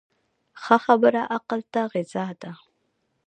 ښه خبره عقل ته غذا ده.